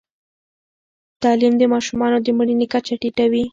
تعلیم د ماشومانو د مړینې کچه ټیټوي.